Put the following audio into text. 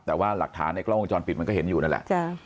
แต่ว่าหลักฐานในกล้องวงจรปิดมันก็เห็นอยู่นั่นแหละ